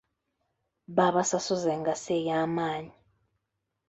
Baabasasuzza engassi ey'amaanyi.